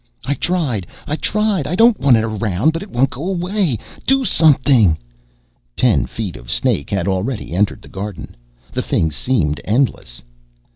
"I tried! I tried! I don't want it around, but it won't go away! Do something!" Ten feet of snake had already entered the garden. The thing seemed endless.